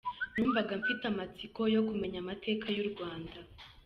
Numvaga mfite amatsiko yo kumenya amateka y’u Rwanda.